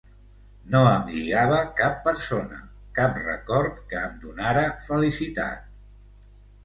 No em lligava cap persona, cap record que em donara felicitat...